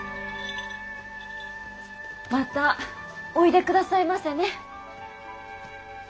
またおいでくださいませね。